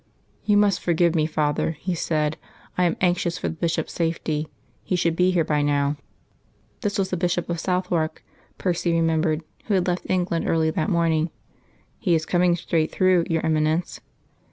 "You must forgive me, father," he said. "I am anxious for the Bishop's safety. He should be here by now." This was the Bishop of Southwark, Percy remembered, who had left England early that morning. "He is coming straight through, your Eminence?"